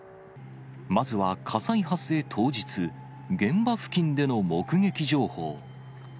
まずは火災発生当日、現場付近での目撃情報。